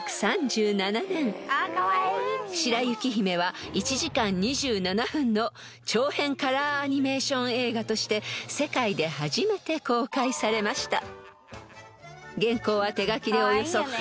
［『白雪姫』は１時間２７分の長編カラーアニメーション映画として世界で初めて公開されました］